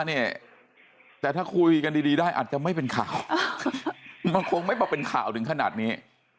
แต่ถ้าคุยกันดีได้อาจจะไม่เป็นข่าวมันคงไม่มาเป็นข่าวถึงขนาดนี้